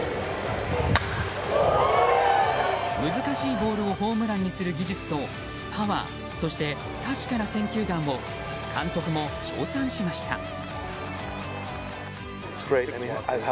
難しいボールをホームランにする技術とパワー、そして確かな選球眼を監督も称賛しました。